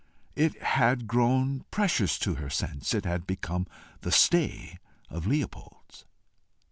It had grown precious to her since it had become the stay of Leopold's.